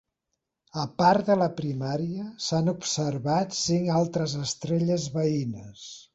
A part de la primària s'han observat cinc altres estrelles veïnes.